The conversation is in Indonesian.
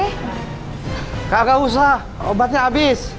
nggak usah obatnya abis